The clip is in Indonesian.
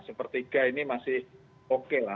sepertiga ini masih oke lah